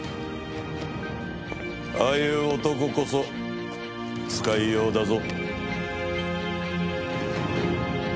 ああいう男こそ使いようだぞ。